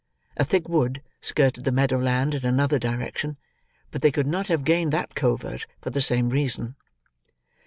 A thick wood skirted the meadow land in another direction; but they could not have gained that covert for the same reason.